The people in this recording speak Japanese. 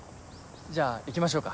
じゃあ行きましょうか。